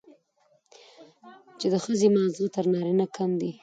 چې د ښځې ماغزه تر نارينه کم دي،